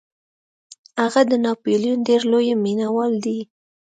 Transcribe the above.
هغه د ناپلیون ډیر لوی مینوال دی.